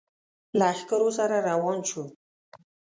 لښکرو سره روان شو.